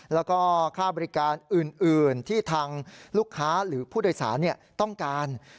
แล้วก็ค่าบริการอื่นที่ทางลูกค้าหรือผู้โดยสารต้องการ